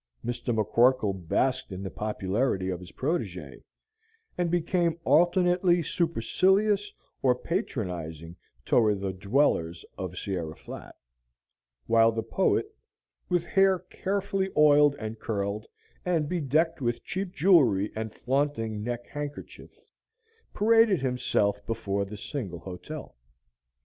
Mr. McCorkle basked in the popularity of his protege, and became alternately supercilious or patronizing toward the dwellers of Sierra Flat; while the poet, with hair carefully oiled and curled, and bedecked with cheap jewelry and flaunting neck handkerchief, paraded himself before the single hotel.